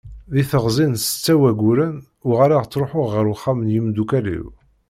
Deg teɣzi n setta n wayyuren, uɣaleɣ ttruḥuɣ ɣer uxxam n yimdukal-iw.